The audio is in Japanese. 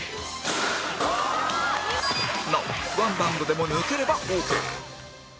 なおワンバウンドでも抜ければオーケー